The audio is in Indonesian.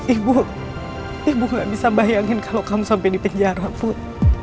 ibu ibu gak bisa bayangin kalau kamu sampai di penjara pun